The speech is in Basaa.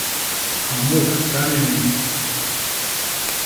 A mut kane ni!